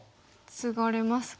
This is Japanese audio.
ツガれますか。